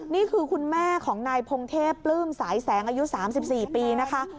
นี่คือคุณแม่ของนายพงเทพปลื้มสายแสงอายุ๓๔ปีนะคะ